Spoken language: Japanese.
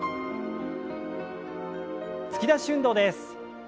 突き出し運動です。